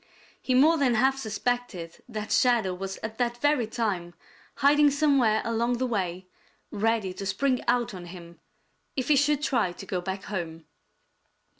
He more than half suspected that Shadow was at that very time hiding somewhere along the way ready to spring out on him if he should try to go back home.